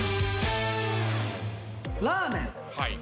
ラーメン！